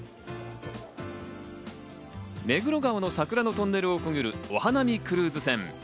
目黒川の桜のトンネルをくぐる、お花見クルーズ船。